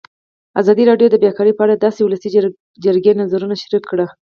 ازادي راډیو د بیکاري په اړه د ولسي جرګې نظرونه شریک کړي.